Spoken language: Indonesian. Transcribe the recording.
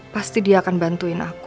pasti dia akan bantuin aku